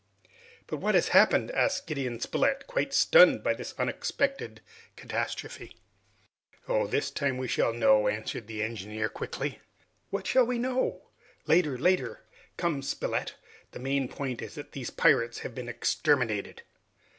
"But what has happened?" asked Gideon Spilett, quite stunned by this unexpected catastrophe. "Oh! this time, we shall know " answered the engineer quickly. "What shall we know? " "Later! later! Come, Spilett. The main point is that these pirates have been exterminated!"